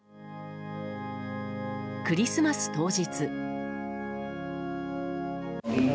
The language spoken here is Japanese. クリスマス当日。